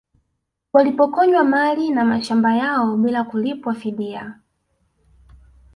Walipokonywa mali na mashamba yao bila kulipwa fidia